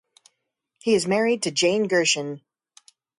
He is married to Jane Gershon.